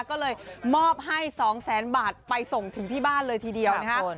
ก็เลยมอบให้๒แสนบาทไปส่งถึงที่บ้านเลยทีเดียวนะคะ